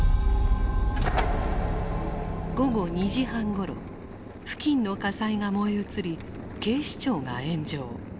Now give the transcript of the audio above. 午後２時半ごろ付近の火災が燃え移り警視庁が炎上。